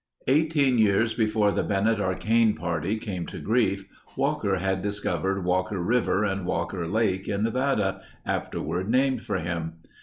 Eighteen years before the Bennett Arcane party came to grief, Walker had discovered Walker River and Walker Lake in Nevada, afterward named for him.